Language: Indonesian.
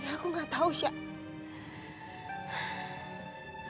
ya aku gak tahu syed